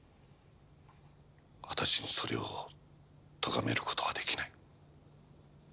私にそれをとがめる事はできない。